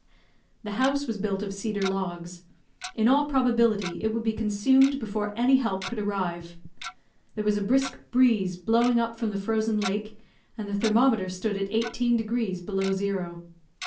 The house was built of cedar logs; in all probability it would be consumed before any help could arrive. There was a brisk breeze blowing up from the frozen lake, and the thermometer stood at eighteen degrees below zero.